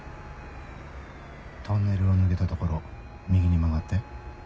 トンネルを抜けた所右に曲がって。